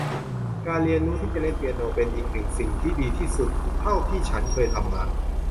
การเรียนรู้ที่จะเล่นเปียโนเป็นอีกหนึ่งสิ่งที่ดีที่สุดเท่าที่ฉันเคยทำมา